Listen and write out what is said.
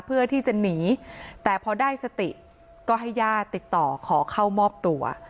เพื่อที่จะหนีแต่พอได้สติก็ให้ญาติติดต่อขอเข้ามอบตัว